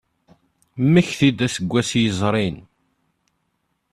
Mmekti-d aseggas yezrin.